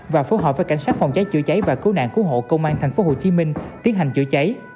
và phối hợp với cảnh sát phòng cháy chữa cháy và cứu nạn cứu hộ công an tp hcm tiến hành chữa cháy